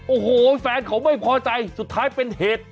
โอ้โหแฟนเขาไม่พอใจสุดท้ายเป็นเหตุ